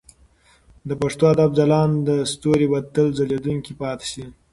د پښتو ادب ځلانده ستوري به تل ځلېدونکي پاتې شي.